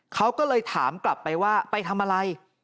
เขาก็เลยถามกลับไปว่าไปทำอะไร